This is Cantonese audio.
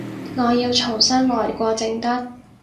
我要重新來過正得